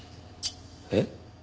えっ？